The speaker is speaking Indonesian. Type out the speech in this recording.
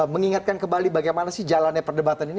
mengingatkan ke bali bagaimana sih jalannya perdebatan ini